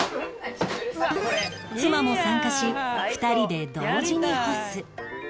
妻も参加し２人で同時に干す